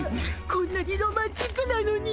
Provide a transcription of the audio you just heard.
こんなにロマンチックなのに。